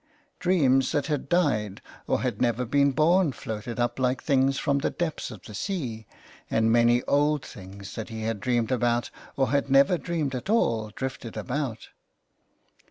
Dreams that had died or had never been born floated up like things from the depths of the sea, and many old things that he had dreamed about or had never dreamed at all drifted about.